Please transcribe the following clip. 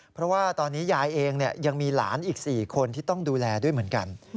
เพราะว่าตอนนี้ยายเองยังมีหลานอีก๔คนที่ต้องดูแลด้วยเหมือนกัน